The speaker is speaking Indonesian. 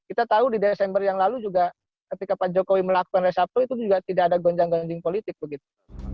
kita tahu di desember yang lalu juga ketika pak jokowi melakukan resapel itu juga tidak ada gonjang gonjang politik begitu